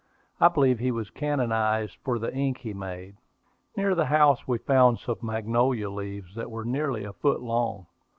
I believe he was canonized for the ink he made. Near the house we found some magnolia leaves that were nearly a foot long.